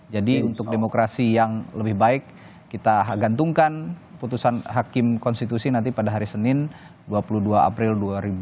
jadi untuk demokrasi yang lebih baik kita gantungkan putusan hakim konstitusi nanti pada hari senin dua puluh dua april dua ribu dua puluh empat